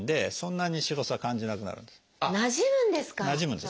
なじむんです。